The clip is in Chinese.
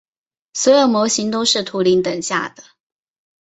所有模型都是图灵等价的。